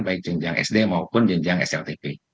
baik jenjang sd maupun jenjang sltp